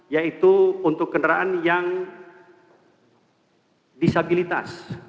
yaitu untuk kendaraan yang disabilitas